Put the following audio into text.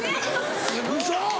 ウソ！